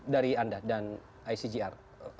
dari anda dan icjr